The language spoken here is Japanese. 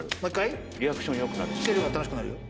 してれば楽しくなるよ。